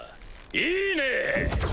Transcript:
いいねぇ！